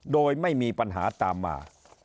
โดยไม่มีปัญหาตามมา